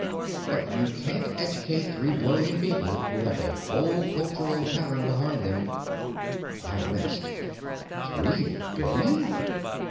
But you can't educate three billion people who have a whole cultural pattern behind them." I winced. "Three billion?"